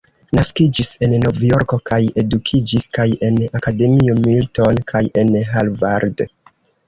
Naskiĝis en Novjorko kaj edukiĝis kaj en Akademio Milton kaj en Harvard.